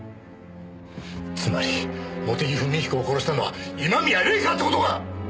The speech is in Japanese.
つまり茂手木文彦を殺したのは今宮礼夏って事か！？